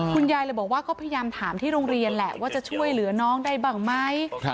คุณยายเลยบอกว่าก็พยายามถามที่โรงเรียนแหละว่าจะช่วยเหลือน้องได้บ้างไหม